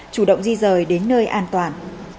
chủ động di rời đến nơi an toàn